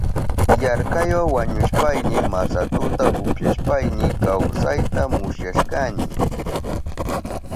Yarkaywa wañuhushpayni masatuta upyashpayni kawsayta musyashkani.